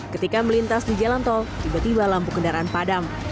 ketika melintas di jalan tol tiba tiba lampu kendaraan padam